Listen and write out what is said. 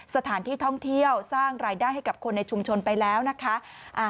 สถานที่ท่องเที่ยวสร้างรายได้ให้กับคนในชุมชนไปแล้วนะคะ